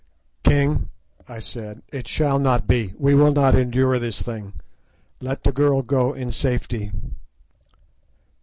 "King," I said, "it shall not be; we will not endure this thing; let the girl go in safety."